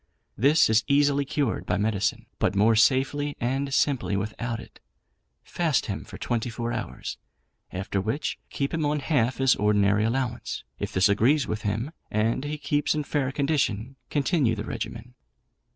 This is easily cured by medicine, but more safely and simply without it. Fast him for twenty four hours; after which, keep him on half his ordinary allowance. If this agrees with him, and he keeps in fair condition, continue the regimen.